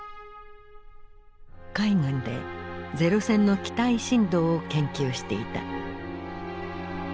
海軍で零戦の機体振動を研究していた。